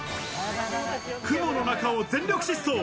雲の中を全力疾走。